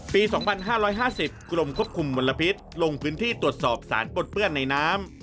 ปี๒๕๕๐กรมควบคุมมลพิษลงพื้นที่ตรวจสอบสารปนเปื้อนในน้ำ